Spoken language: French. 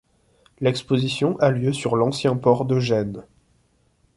L'exposition a lieu sur l'ancien port de Gênes.